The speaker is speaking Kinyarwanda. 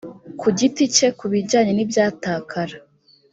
ku giti cye ku bijyanye n ibyatakara